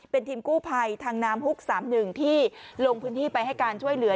เป็นทีมกู้ภัยทางน้ำฮุก๓๑ที่ลงพื้นที่ไปให้การช่วยเหลือ